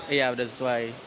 iya udah sesuai